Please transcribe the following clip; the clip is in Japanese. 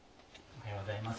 おはようございます。